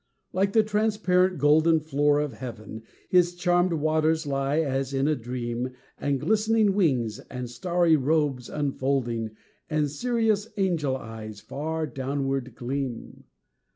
Like the transparent golden floor of heaven, His charmèd waters lie as in a dream, And glistening wings, and starry robes unfolding, And serious angel eyes far downward gleam.